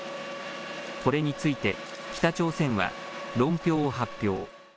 これについて北朝鮮は論評を発表。